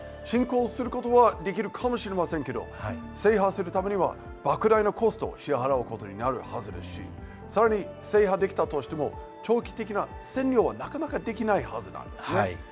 侵攻することはできるかもしれませんが制覇するためにはばく大なコストを支払うことになるはずですしさらに、制覇できたとしても長期的な占領はなかなかできないはずなんです。